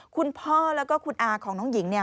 คุณพ่อแล้วก็คุณอาของน้องหญิงเนี่ย